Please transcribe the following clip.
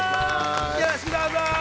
よろしくどうぞ。